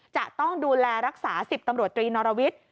จะต้องดูแลรักษา๑๐ตำรวจตรีนรวิทย์